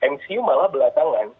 mcu malah belakangan